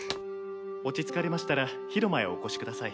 落ち着かれましたら広間へお越しください。